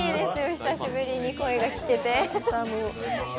久しぶりに声が聞けて。